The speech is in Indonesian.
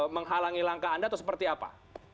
menghalangi langkah anda atau seperti apa